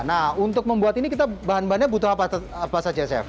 nah untuk membuat ini kita bahan bahannya butuh apa saja chef